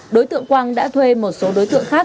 đối tượng quang đã thuê một số đối tượng khác